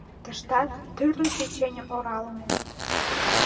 Тыштак тӱрлӧ печеньым оралыме.